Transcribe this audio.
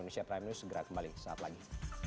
segera kembali saat lagi